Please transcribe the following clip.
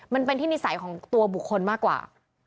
มันเป็นที่นิสัยของตัวบุคคลมากกว่า